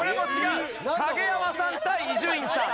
影山さん対伊集院さん。